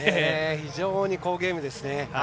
非常に好ゲームですね。